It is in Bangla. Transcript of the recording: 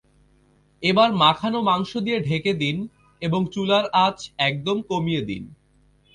এবার মাখানো মাংস দিয়ে ঢেকে দিন এবং চুলার আঁচ একদম কমিয়ে দিন।